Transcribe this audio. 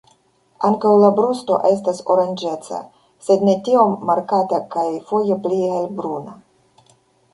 Ankaŭ la brusto estas oranĝeca, sed ne tiom markata kaj foje pli helbruna.